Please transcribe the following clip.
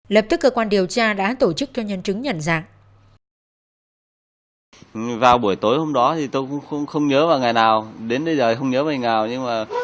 lập tức cơ quan điều tra đã tổ chức cho nhân chứng nhận dạng